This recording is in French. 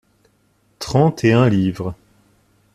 Trente et un livres.